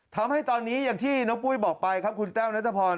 ทำให้ตอนนี้อย่างที่น้องปู้ย์บอกไปครับครับคุณเต้า